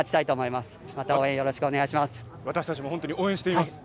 またよろしくお願いします。